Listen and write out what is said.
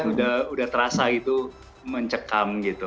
udah udah terasa itu mencekam gitu